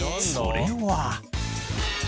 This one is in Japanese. それは。